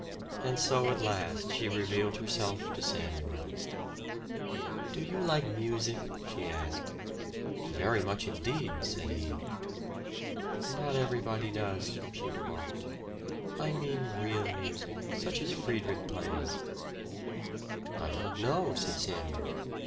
And so at last she revealed herself to Samuel. "Do you like music?" she asked. "Very much indeed," said he. "Not everybody does," she remarked "I mean real music, such as Friedrich plays." "I don't know," said Samuel.